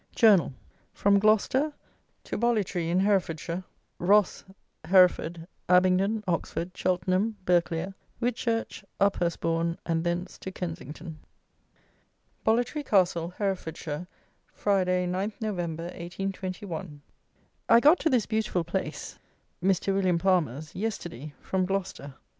JOURNAL: FROM GLOUCESTER, TO BOLLITREE IN HEREFORDSHIRE, ROSS, HEREFORD, ABINGDON, OXFORD, CHELTENHAM, BERGHCLERE, WHITCHURCH, UPHURSTBOURN, AND THENCE TO KENSINGTON. Bollitree Castle, Herefordshire, Friday, 9 Nov. 1821. I got to this beautiful place (Mr. WILLIAM PALMER'S) yesterday, from Gloucester.